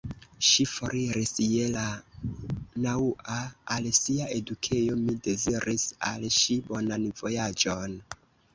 Ŝi foriris je la naŭa al sia edukejo; mi deziris al ŝi bonan vojaĝon.